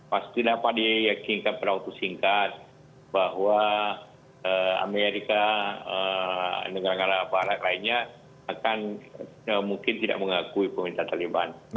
pasti dapat diyakinkan pada waktu singkat bahwa amerika negara negara barat lainnya akan mungkin tidak mengakui pemerintah taliban